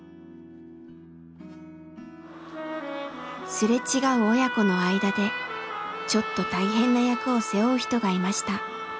すれ違う親子の間でちょっと大変な役を背負う人がいました。